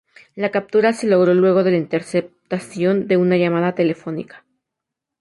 La captura se logró luego de la interceptación de una llamada telefónica.